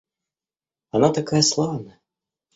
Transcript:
Она такая славная.